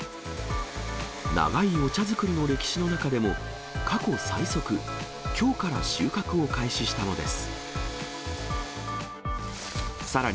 長いお茶作りの歴史の中でも、過去最速きょうから収穫を開始したのです。